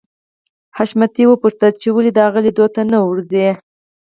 حشمتي وپوښتل چې ولې د هغه لیدو ته نه ورې